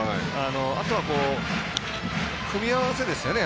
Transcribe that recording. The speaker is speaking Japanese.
あとは、組み合わせですよね。